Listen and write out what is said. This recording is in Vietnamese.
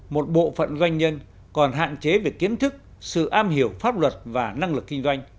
một bộ phận doanh nhân còn hạn chế về kiến thức sự am hiểu pháp luật và năng lực kinh doanh